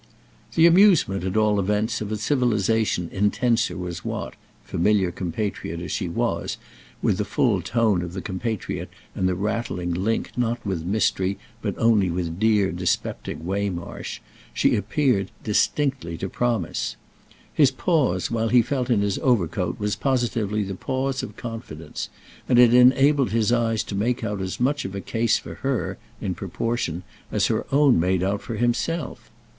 The amusement, at all events, of a civilisation intenser was what—familiar compatriot as she was, with the full tone of the compatriot and the rattling link not with mystery but only with dear dyspeptic Waymarsh—she appeared distinctly to promise. His pause while he felt in his overcoat was positively the pause of confidence, and it enabled his eyes to make out as much of a case for her, in proportion, as her own made out for himself.